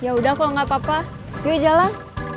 yaudah kalo gak apa apa yuk jalan